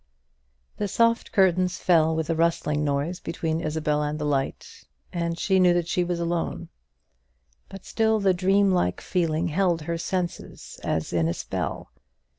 The soft curtains fell with a rustling noise between Isabel and the light, and she knew that she was alone; but still the dream like feeling held her senses as in a spell.